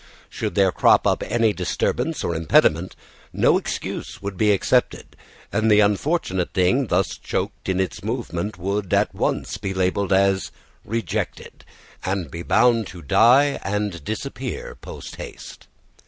Should there crop up any disturbance or impediment, no excuse would be accepted, and the unfortunate thing thus choked in its movement would at once be labelled as rejected, and be bound to die and disappear post haste.